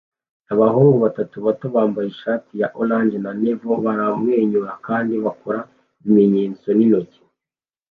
Abahungu batatu bato bambaye ishati ya orange na navy baramwenyura kandi bakora ibimenyetso n'intoki